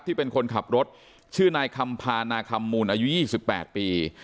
ที่เป็นคนขับรถชื่อนายคำพานาคัมมูลอายุยี่สิบแปดปี